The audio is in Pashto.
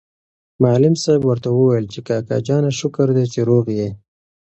معلم صاحب ورته وویل چې کاکا جانه شکر دی چې روغ یې.